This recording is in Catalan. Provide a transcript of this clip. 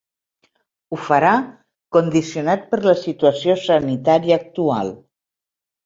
Ho farà condicionat per la situació sanitària actual.